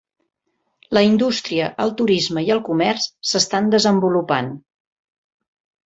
La indústria, el turisme i el comerç s'estan desenvolupant.